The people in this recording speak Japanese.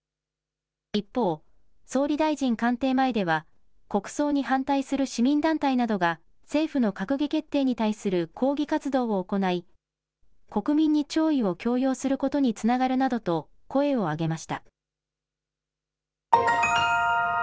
一方、総理大臣官邸前では国葬に反対する市民団体などが政府の閣議決定に対する抗議活動を行い国民に弔意を強要することにつながるなどと声を上げました。